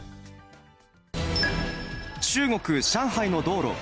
中国・上海の道路。